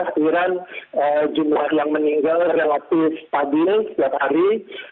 akhirnya jumlah yang meninggal relatif stabil setiap hari